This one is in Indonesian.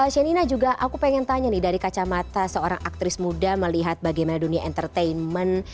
shenina juga aku pengen tanya nih dari kacamata seorang aktris muda melihat bagaimana dunia entertainment